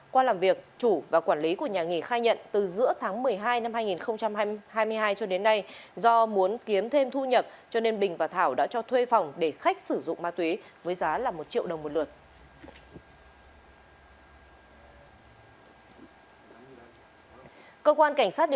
qua làm việc chủ và quản lý của nhà nghị khai nhận từ giữa tháng một mươi hai năm hai nghìn hai mươi hai cho đến nay do muốn kiếm thêm thu nhập cho nên bình và thảo đã cho thuê phòng để khách sử dụng ma túy với giá là một triệu đồng một lượt